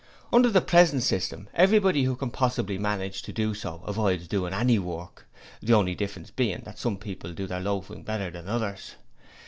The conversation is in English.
Under the present system everybody who can possibly manage to do so avoids doing any work, the only difference being that some people do their loafing better than others.